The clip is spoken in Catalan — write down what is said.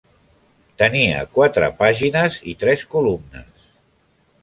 Tenia quatre pàgines i tres columnes.